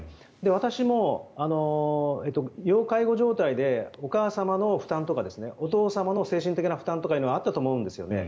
私も要介護状態でお母様の負担とかお父様の精神的な負担というのはあったと思うんですよね。